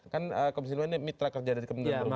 kan komisi lembu ini mitra kerja dari kemenggaraan perumuh